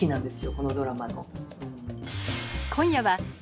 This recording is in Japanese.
このドラマの。